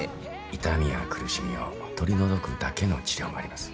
痛みや苦しみを取り除くだけの治療もあります。